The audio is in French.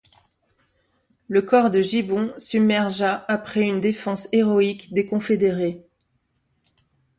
Le corps de Gibbon submergea après une défense héroïque des confédérés.